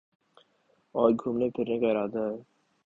اور گھومنے پھرنے کا ارادہ ہے